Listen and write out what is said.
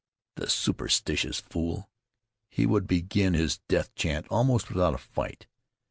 "The superstitious fool! He would begin his death chant almost without a fight.